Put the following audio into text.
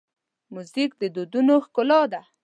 موزیک د ودونو ښکلا ده.